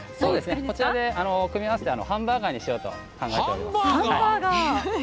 こちらで組み合わせてハンバーガーにしようと考えております。